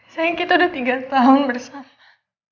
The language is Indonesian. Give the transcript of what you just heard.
sayang kita udah tiga tahun bersama